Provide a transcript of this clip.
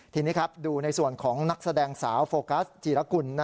ทีนี้ครับดูในส่วนของนักแสดงสาวโฟกัสจีรกุล